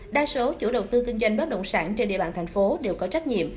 đa số chủ đầu tư kinh doanh bất động sản trên địa bàn thành phố đều có trách nhiệm